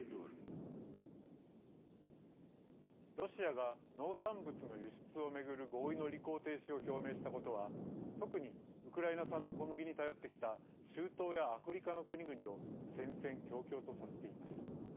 ロシアが農産物の輸出を巡る合意の履行停止を表明したことは特に、ウクライナ産の小麦に頼ってきた中東やアフリカの国々を戦々恐々とさせています。